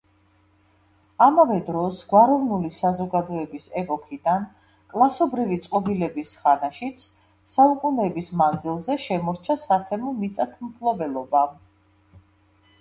ამავე დროს გვაროვნული საზოგადოების ეპოქიდან კლასობრივი წყობილების ხანაშიც საუკუნეების მანძილზე შემორჩა სათემო მიწათმფლობელობა.